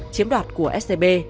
chiếm đoạt của scb